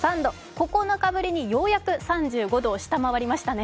９日ぶりに、ようやく３５度を下回りましたね。